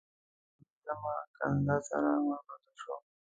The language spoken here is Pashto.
هغه هم په منظمونه ښکنځا سره ونمانځل شو.